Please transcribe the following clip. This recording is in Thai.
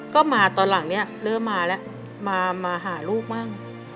ก็มาตอนหลังนี้เริ่มมาแล้วมาหาลูกมั่ง